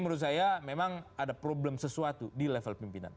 menurut saya memang ada problem sesuatu di level pimpinan